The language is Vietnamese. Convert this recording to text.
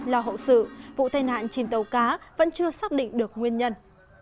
lo hậu sự vụ tai nạn chìm tàu cá vẫn chưa xác định được nguyên nhân